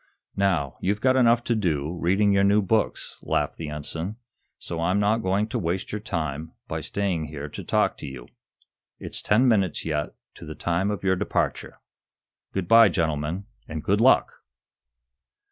"Now, you've got enough to do, reading your new books," laughed the ensign, "So I'm not going to waste your time by staying here to talk to you. It's ten minutes, yet, to the time of your departure. Good bye, gentlemen _and good luck!